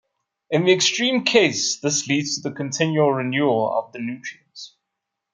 In the extreme case, this leads to the continual renewal of the nutrients.